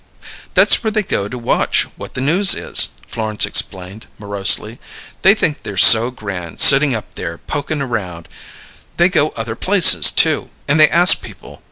"That's where they go to watch what the news is," Florence explained morosely. "They think they're so grand, sittin' up there, pokin' around! They go other places, too; and they ask people.